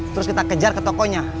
terus kita kejar ke tokonya